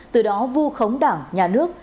từ đó vu khống đảng nhà nước